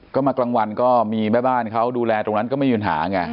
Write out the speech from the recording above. ก็มากลางวันก็มีแม่บ้านเขาดูแลตรงนั้นก็ไม่มีปัญหาไง